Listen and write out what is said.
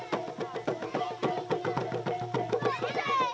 hasil dari sdi media